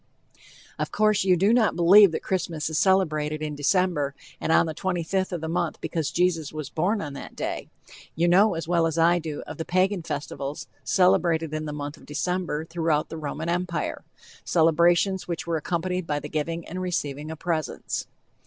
Of course, you do not believe that Christmas is celebrated in December and on the 25th of the month because Jesus was born on that day. You know as well as I do of the Pagan festivals celebrated in the month of December throughout the Roman Empire celebrations which were accompanied with the giving and receiving of presents.